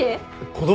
子供！？